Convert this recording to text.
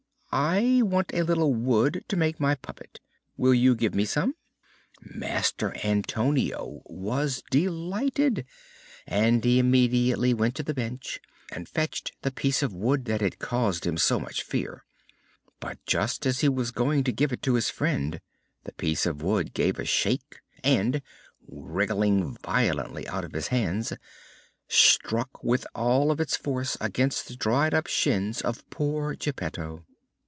"I want a little wood to make my puppet; will you give me some?" Master Antonio was delighted, and he immediately went to the bench and fetched the piece of wood that had caused him so much fear. But just as he was going to give it to his friend the piece of wood gave a shake and, wriggling violently out of his hands, struck with all of its force against the dried up shins of poor Geppetto.